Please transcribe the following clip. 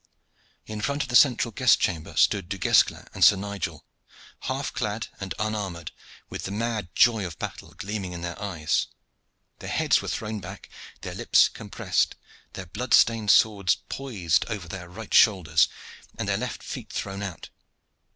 In front of the central guest chamber stood Du Guesclin and Sir Nigel, half clad and unarmored, with the mad joy of battle gleaming in their eyes. Their heads were thrown back, their lips compressed, their blood stained swords poised over their right shoulders, and their left feet thrown out.